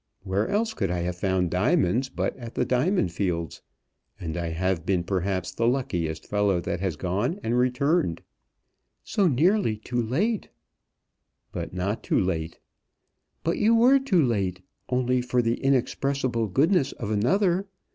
Where else could I have found diamonds but at the diamond fields? And I have been perhaps the luckiest fellow that has gone and returned." "So nearly too late!" "But not too late." "But you were too late, only for the inexpressible goodness of another.